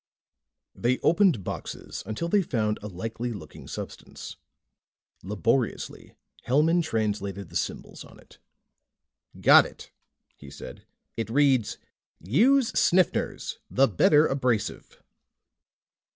They opened boxes until they found a likely looking substance. Laboriously, Hellman translated the symbols on it. "Got it," he said. "It reads: 'USE SNIFFNERS THE BETTER ABRASIVE.'"